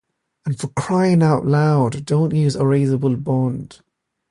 And for crying out loud, don't use erasable bond.